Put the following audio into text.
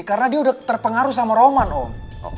karena dia udah terpengaruh sama roman om